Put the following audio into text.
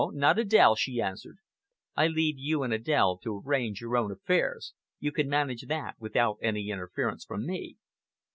not Adèle," she answered. "I leave you and Adèle to arrange your own affairs. You can manage that without any interference from me."